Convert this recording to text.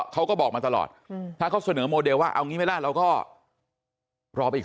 เขาก็บอกมาตลอดแนวนี้แปลว่าแนวนี้ไม่ได้เราครบอีก